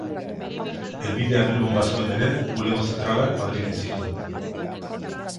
Helbidea Bilbon bazuen ere, bulego zentralak Madrilen zituen.